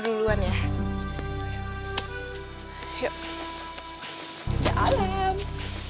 tidak kacau coba apa apa sama